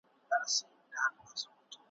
ډېر ښکلي کلمات یې اوډلي او زه پوهېږم `